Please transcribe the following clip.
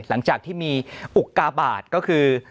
หลังจากที่มีอุกาบาทก็คือ